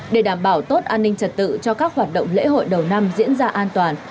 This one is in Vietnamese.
để đảm bảo tốt an ninh trật tự cho các hoạt động lễ hội đầu năm diễn ra an toàn